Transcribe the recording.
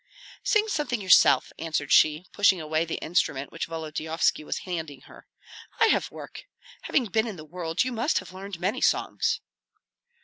"Sing something yourself," answered she, pushing away the instrument which Volodyovski was handing her; "I have work. Having been in the world, you must have learned many songs."